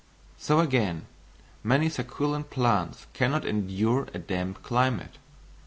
So again, many succulent plants cannot endure a damp climate.